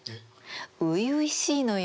初々しいのよ。